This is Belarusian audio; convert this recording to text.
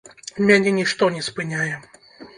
Мяне нішто не спыняе.